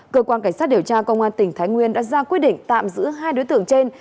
cơ quan cảnh sát điều tra công an tỉnh thái nguyên đã ra quyết định tạm giữ hai đối tượng trên